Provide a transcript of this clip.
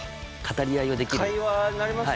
会話になりますもんね。